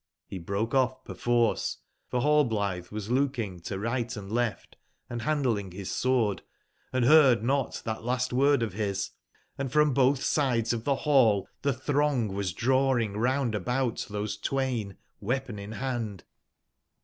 He broke off perforce ; for Rallblitbe was lookingtorigbt& left and bandling bis sword, and beard not tbat last word of bis ; and from botb sides of tbe ball tbe tbrong was drawing round a bout tbose twain, weapon in band.